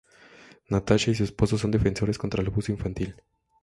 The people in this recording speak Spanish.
Natasha y su esposo son defensores contra el abuso infantil.